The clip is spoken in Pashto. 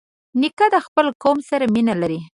نیکه د خپل قوم سره مینه لري.